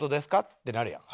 ってなるやん。